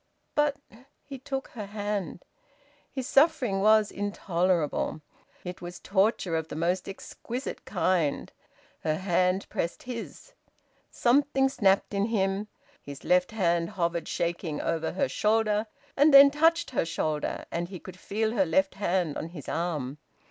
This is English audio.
"But " He took her hand. His suffering was intolerable. It was torture of the most exquisite kind. Her hand pressed his. Something snapped in him. His left hand hovered shaking over her shoulder, and then touched her shoulder, and he could feel her left hand on his arm.